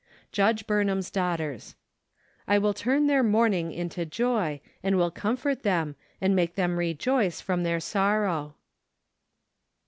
Judge Burnham's Daughters. " I will turn their mourning into joy, and will comfort them, and make them rejoice from their sorrow.